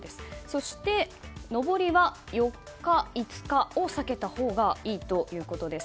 そして上りは４日、５日を避けたほうがいいということです。